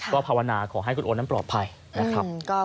ก็ภาวนาขอให้คุณโอนั้นปลอดภัยนะครับ